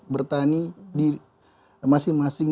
bertani di masing masing